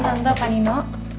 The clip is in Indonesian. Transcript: om tante pak nino